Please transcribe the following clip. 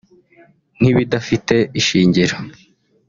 nk'ibidafite ishingiro